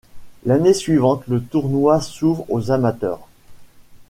L'année suivante le tournoi s'ouvre aux amateurs.